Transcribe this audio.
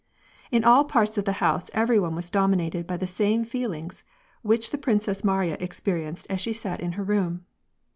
In all parts of the house every one was dominated by the same feelings which the Princess Mariya experienced as she 2sA, in her room.